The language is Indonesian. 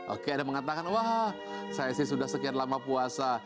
oke ada yang mengatakan wah saya sih sudah sekian lama puasa